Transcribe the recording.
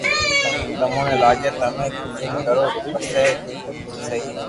تمي ني لاگي تمو ايم ڪرو پسي جيم سھي